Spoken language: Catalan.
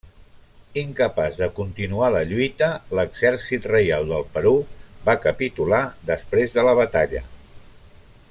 Incapaç de continuar la lluita l'Exèrcit Reial del Perú va capitular després de la batalla.